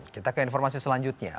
kita ke informasi selanjutnya